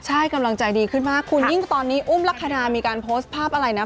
ใช่กำลังใจดีขึ้นมากคุณยิ่งตอนนี้อุ้มลักษณะมีการโพสต์ภาพอะไรนะ